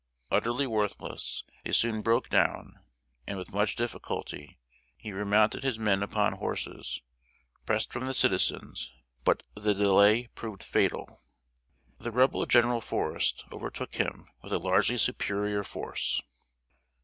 Utterly worthless, they soon broke down, and with much difficulty, he remounted his men upon horses, pressed from the citizens; but the delay proved fatal. The Rebel General Forrest overtook him with a largely superior force.